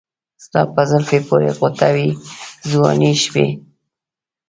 ستا په زلفې پورې غوټه وې ځواني شپې